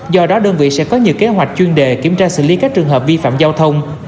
do đó đơn vị sẽ có nhiều kế hoạch chuyên đề kiểm tra xử lý các trường hợp vi phạm giao thông